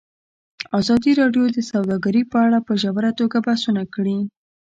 ازادي راډیو د سوداګري په اړه په ژوره توګه بحثونه کړي.